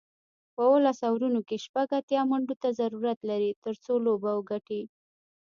په اوولس اورونو کې شپږ اتیا منډو ته ضرورت لري، ترڅو لوبه وګټي